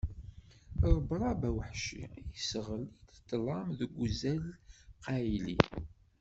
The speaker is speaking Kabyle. Rebrab aweḥci iseɣli-d ṭṭlam deg uzal qqayli.